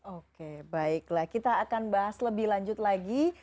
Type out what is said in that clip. oke baiklah kita akan bahas lebih lanjut lagi